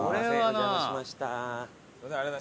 お邪魔しました。